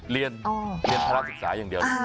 เรียนเรียนภาระศึกษาอย่างเดียว